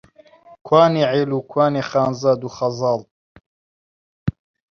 کوانێ عێل و، کوانێ خانزاد و خەزاڵ؟!